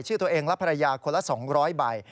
ชื่อตัวเองและภรรยาคนละ๒๐๐ใบ